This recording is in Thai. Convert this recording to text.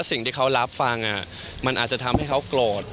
สิ่งที่เขารับฟังมันอาจจะทำให้เขาโกรธ